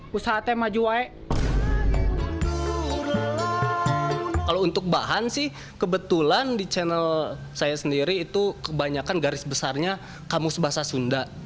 usaha tema juway kalau untuk bahan sih kebetulan di channel saya sendiri itu kebanyakan garis besarnya kamus bahasa sunda